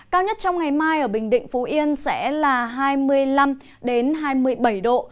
cao nhất trong ngày mai ở bình định phú yên sẽ là hai mươi năm hai mươi bảy độ